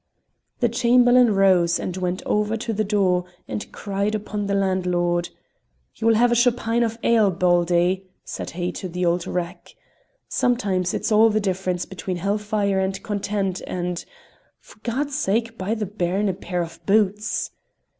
The Chamberlain rose and went over to the door and cried upon the landlord. "You will have a chopine of ale, Baldy," said he to the old wreck; "sometimes it's all the difference between hell fire and content, and for God's sake buy the bairn a pair of boots!"